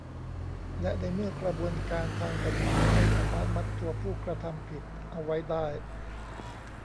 และในเมื่อกระบวนการทางกฎหมายไม่สามารถมัดตัวผู้กระทำผิดเอาไว้ได้